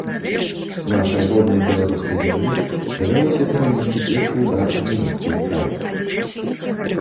Нашай роднай беларускай зямлі давялося перанесці першы ўдар ад нямецкай зграі.